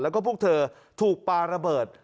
แล้วก็พวกเธอถูกปลาระเบิด